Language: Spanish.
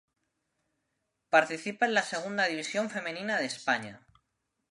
Participa en la Segunda División Femenina de España.